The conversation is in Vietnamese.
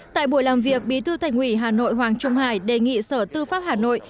tại buổi làm việc bí thư thành ủy hà nội hoàng trung hải đề nghị sở tư pháp hà nội